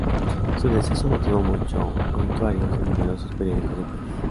Su deceso motivó muchos obituarios en numerosos periódicos del país.